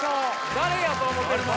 誰やと思うてるのか・